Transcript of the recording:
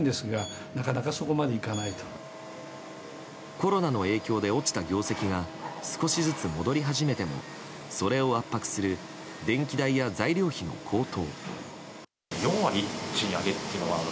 コロナの影響で落ちた業績が少しずつ戻り始めてもそれを圧迫する電気代や材料費の高騰。